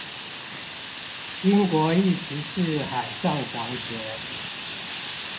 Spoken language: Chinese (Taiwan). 英國一直是海上強權